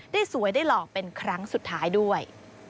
สวยได้หล่อเป็นครั้งสุดท้ายด้วย